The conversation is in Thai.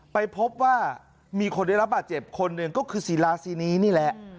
ไปพบว่ามีคนได้รับบาดเจ็บคนหนึ่งก็คือศิลาซีนีนี่แหละ